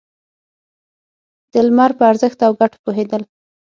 د لمر په ارزښت او گټو پوهېدل.